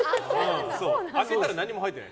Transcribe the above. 開けたら、何も入ってない。